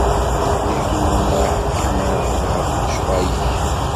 Lejdud-nneɣ ḥkan-aɣ-d ɣef lecɣal-ik.